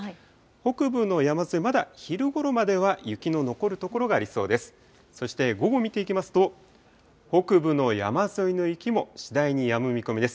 北部の山沿い、まだ昼ごろまでは雪の残る所がありそうです。